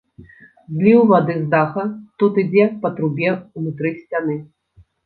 Зліў вады з даха тут ідзе па трубе ўнутры сцяны.